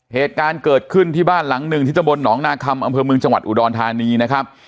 เหตุการณ์เกิดขึ้นที่บ้านหลังหนึ่งที่ตะบลหนองนาคมอำเภอเมืองจังหวัดอุดรธานีนะครับ